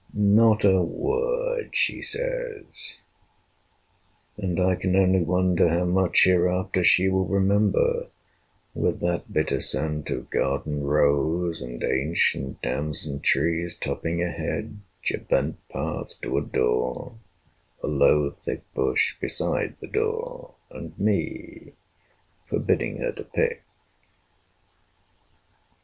Not a word she says; And I can only wonder how much hereafter She will remember, with that bitter scent, Of garden rows, and ancient damson trees Topping a hedge, a bent path to a door, A low thick bush beside the door, and me Forbidding her to pick.